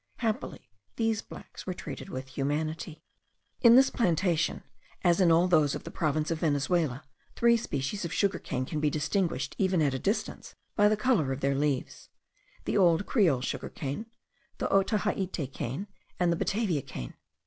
Happily these blacks were treated with humanity. In this plantation, as in all those of the province of Venezuela, three species of sugar cane can be distinguished even at a distance by the colour of their leaves; the old Creole sugar cane, the Otaheite cane, and the Batavia cane.